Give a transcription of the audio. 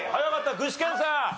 具志堅さん。